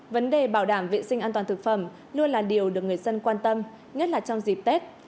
vấn đề bảo đảm vệ sinh an toàn thực phẩm luôn là điều được người dân quan tâm nhất là trong dịp tết